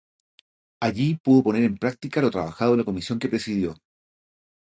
Allí pudo poner en practica lo trabajado en la comisión que presidió.